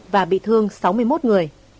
và bị thương sáu mươi một người